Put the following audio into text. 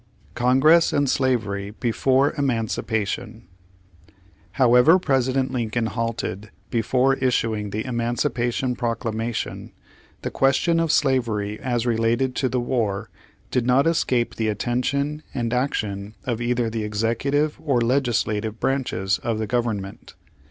CONGRESS AND SLAVERY BEEORE EMANCIPATION However President Lincoln halted before issu ing the Emancipation Proclamation, the question of slavery as related to the war did not escape the attention and action of either the executive or leg islative branches of the Government.